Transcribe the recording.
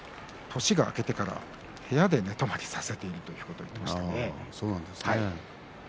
年が明けてから部屋で寝泊まりさせているという話もしていました。